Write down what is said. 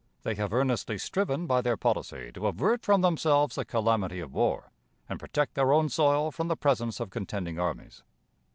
They have earnestly striven by their policy to avert from themselves the calamity of war, and protect their own soil from the presence of contending armies.